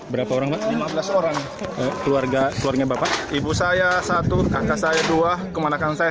berapa orang keluarga keluarga bapak ibu saya satu kakak saya dua kemana kan saya